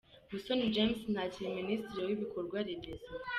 Musoni James ntakiri Minisitiri w'Ibikorwa Remezo.